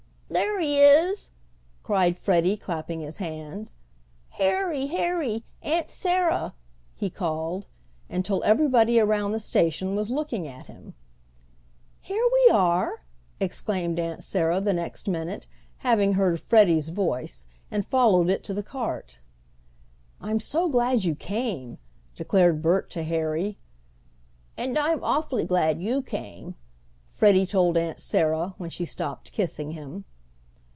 "There he is," cried Freddie, clapping his hands. "Harry! Harry! Aunt Sarah!" he called, until everybody around the station was looking at him. "Here we are!" exclaimed Aunt Sarah the next minute, having heard Freddie's voice, and followed it to the cart. "I'm so glad you came," declared Bert to Harry. "And I'm awfully glad you came," Freddie told Aunt Sarah, when she stopped kissing him.